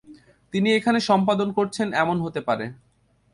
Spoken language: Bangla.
তিনি এখানে সম্পাদন করেছেন এমন হতে পারে।